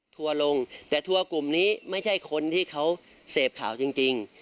ทัวร์ลงแต่ทัวร์กลุ่มนี้ไม่ใช่คนที่เขาเสพข่าวจริง